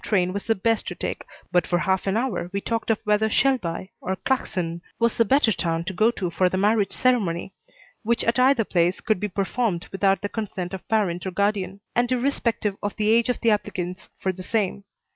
train was the best to take, but for half an hour we talked of whether Shelby or Claxon was the better town to go to for the marriage ceremony, which at either place could be performed without the consent of parent or guardian, and irrespective of the age of the applicants for the same.